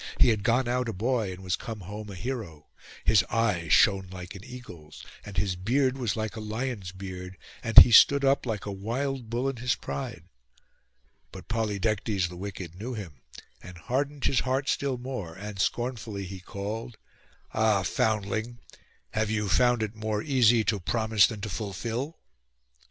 He had gone out a boy, and he was come home a hero; his eye shone like an eagle's, and his beard was like a lion's beard, and he stood up like a wild bull in his pride. But Polydectes the wicked knew him, and hardened his heart still more; and scornfully he called— 'Ah, foundling! have you found it more easy to promise than to fulfil?